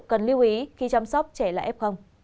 cần lưu ý khi chăm sóc trẻ là f